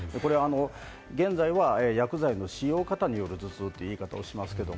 これは現在は薬剤の使用過多による頭痛という言い方をします。